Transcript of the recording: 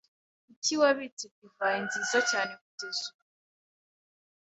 Kuki wabitse divayi nziza cyane kugeza ubu?